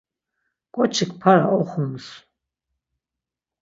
K̆oçik para oxums.